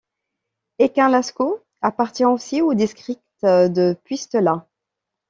Heikinlaakso appartient aussi au district de Puistola.